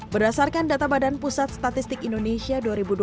berdasarkan data badan pusat statistik indonesia dua ribu dua puluh